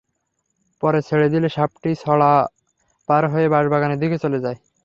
পরে ছেড়ে দিলে সাপটি ছড়া পার হয়ে বাঁশবাগানের দিকে চলে যায়।